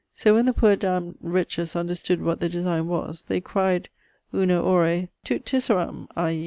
So when the poor dammed wretches understood what the designe was, the cryed uno ore 'Tout tisseran!' i.